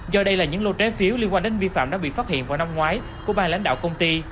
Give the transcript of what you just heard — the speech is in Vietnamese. do đây là những lô trái phiếu liên quan đến vi phạm đã bị phát hiện vào năm ngoái của ba lãnh đạo công ty